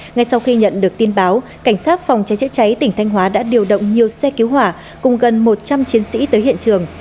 ngay sau khi nhận được tin báo cảnh sát phòng cháy chữa cháy tỉnh thanh hóa đã điều động nhiều xe cứu hỏa cùng gần một trăm linh chiến sĩ tới hiện trường